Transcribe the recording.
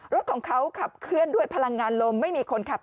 รถของเขาขับเคลื่อนด้วยพลังงานลมไม่มีคนขับ